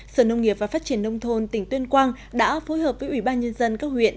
sở nông nghiệp và phát triển nông thôn tỉnh tuyên quang đã phối hợp với ủy ban nhân dân các huyện